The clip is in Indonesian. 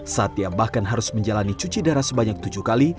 satya bahkan harus menjalani cuci darah sebanyak tujuh kali